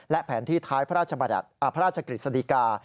และแผนที่ท้ายพระราชกฤษฎิกา